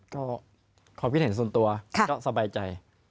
ก็ความคิดเห็นส่วนตัวก็สบายใจ